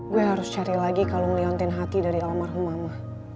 gue harus cari lagi kalau ngeliontin hati dari almarhum mama